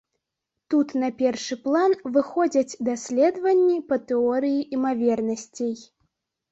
Тут на першы план выходзяць даследаванні па тэорыі імавернасцей.